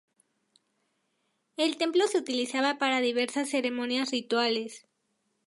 El templo se utilizaba para diversas ceremonias rituales.